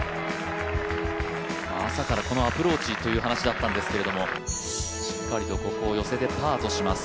朝からこのアプローチという話だったんですけれども、しっかりとここを寄せたパーとします。